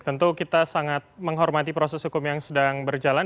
tentu kita sangat menghormati proses hukum yang sedang berjalan